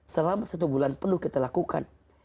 selama satu bulan penuh kita lakukan